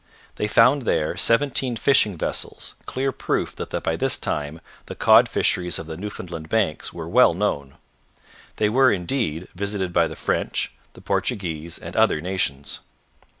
They found there seventeen fishing vessels, clear proof that by this time the cod fisheries of the Newfoundland Banks were well known. They were, indeed, visited by the French, the Portuguese, and other nations.